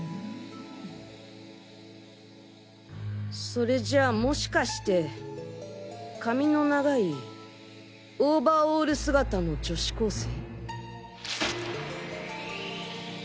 それじゃもしかして髪の長いオーバーオール姿の女子高生？